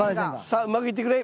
さあうまくいってくれ。